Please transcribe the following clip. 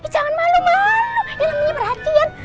jangan malu malu ilangnya perhatian